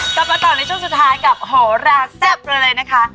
กลับมาต่อในช่วงสุดท้ายกับโหราแซ่บเราเลยนะคะ